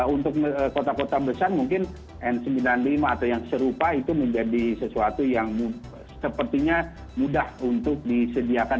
untuk kota kota besar mungkin n sembilan puluh lima atau yang serupa itu menjadi sesuatu yang sepertinya mudah untuk disediakan